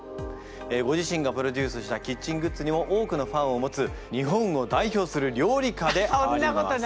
ご自身がプロデュースしたキッチングッズにも多くのファンを持つ日本を代表する料理家であります。